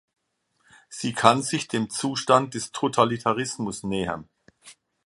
Sie kann sich dem Zustand des Totalitarismus nähern.